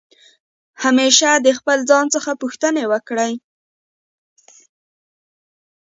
همېشه د خپل ځان څخه پوښتني وکړئ.